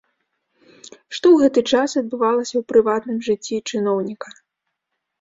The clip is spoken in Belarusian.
Што ў гэты час адбывалася ў прыватным жыцці чыноўніка?